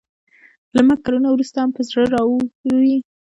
له مرګ کلونه وروسته هم په زړه راووري.